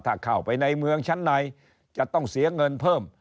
ถ้าเข้าไปในเมืองชั้นในจะต้องเสียเงินเพิ่ม